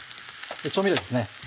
調味料ですね。